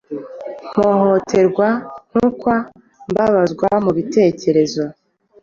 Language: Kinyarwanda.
mpohoterwa, ntukwa, mbabazwa mu bitekerezo,